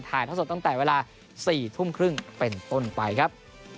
เท่าสดตั้งแต่เวลา๔ทุ่มครึ่งเป็นต้นไปครับ